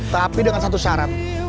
tapi dengan satu syarat